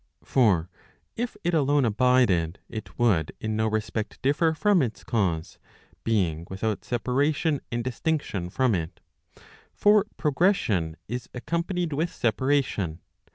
327 For if it alone abided* it would in no respect differ from its cause, being without separation and distinction from it. For progression is accompa* nied with separation.